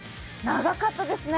長かったですね。